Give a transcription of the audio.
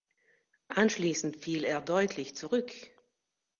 Anschließend fiel er deutlich zurück.